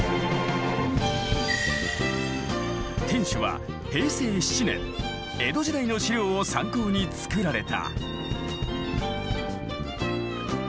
天守は平成７年江戸時代の史料を参考に造られた。